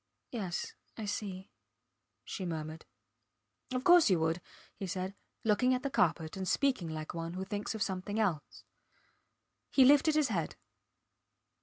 Yes ... I see, she murmured. Of course you would, he said, looking at the carpet and speaking like one who thinks of something else. He lifted his head.